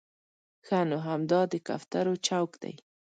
ښه نو همدا د کوترو چوک دی.